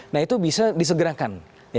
nah itu bisa disegerakan